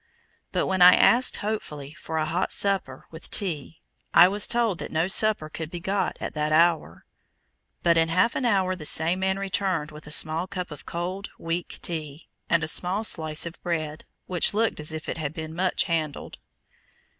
but when I asked hopefully for a hot supper, with tea, I was told that no supper could be got at that hour; but in half an hour the same man returned with a small cup of cold, weak tea, and a small slice of bread, which looked as if it had been much handled.